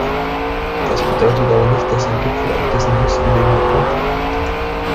Das bedeutet aber nicht, dass sein Gipfel auch dessen höchstgelegener Punkt war.